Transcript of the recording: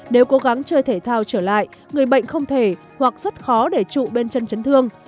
nếu cố gắng chơi thể thao trở lại người bệnh không thể hoặc rất khó để trụ bên chân trấn thương